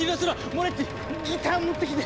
モレッティギターを持ってきて！